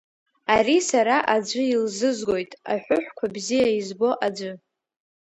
Ари сара аӡәы илзызгоит, аҳәыҳәқәа бзиа избо аӡәы.